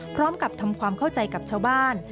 พร้อมกับทำความเข้าใจกับชาวบ้าน